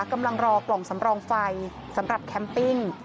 กำลังรอปล่องสำรองไฟสำหรับแคมปิ้ง